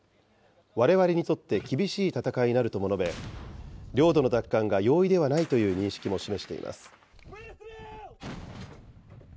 われわれにとって厳しい戦いになるとも述べ、領土の奪還が容易ではないという認識も示しています。